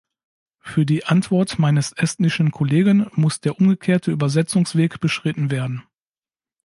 Für die Antwort meines estnischen Kollegen muss der umgekehrte Übersetzungsweg beschritten werden.